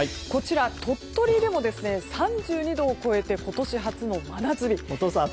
鳥取でも３２度を超えて今年初の真夏日。